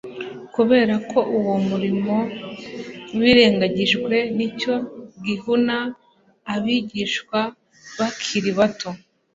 Kubera ko uwo nwrimo wirengagijwe nicyo gihuna abigishwa bakiri bato